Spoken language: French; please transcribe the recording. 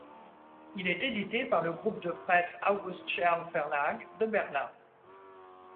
Il est édité par le groupe de presse August Scherl Verlag de Berlin.